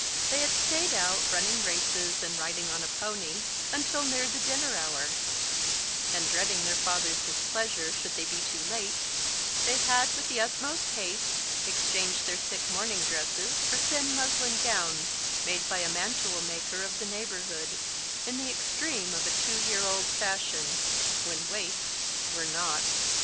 They had stayed out, running races and riding on a pony, until near the dinner hour; and, dreading their father's displeasure should they be too late, they had, with the utmost haste, exchanged their thick morning dresses for thin muslin gowns, made by a mantua maker of the neighbourhood in the extreme of a two year old fashion, when waists _were not.